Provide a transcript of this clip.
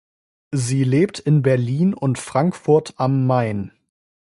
Sie lebt in Berlin und Frankfurt am Main.